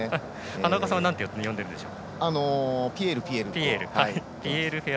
花岡さんはなんと呼んでいるんでしょう。